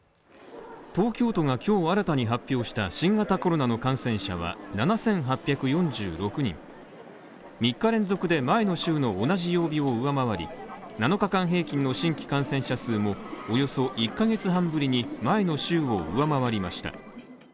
東京都が今日新たに発表した新型コロナの感染者は７８４６人３日連続で前の週の同じ曜日を上回り、７日間平均の新規感染者数もおよそ１カ月半ぶりに前の週を上回りました。